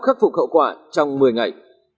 khắc phục hậu quả trong một mươi ngày